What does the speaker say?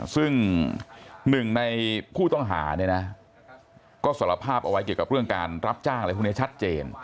ซึ่งหนึ่งในผู้ต้องหาก็สรรพาบเอาไว้เกี่ยวกับเรื่องการรับจ้างชัดเจน